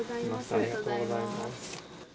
ありがとうございます。